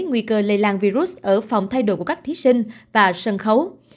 nguy cơ lây lan virus ở phòng thay đổi của các thí sinh và sân khấu